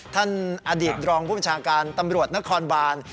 ท่านอดีตรองมอนชาการตำรวจนครบาล